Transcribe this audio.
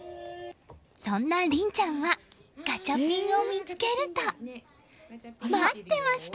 そんな凛ちゃんはガチャピンを見つけると待ってました！